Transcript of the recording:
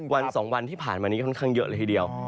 วัน๒วันที่ผ่านมานี้ค่อนข้างเยอะเลยทีเดียว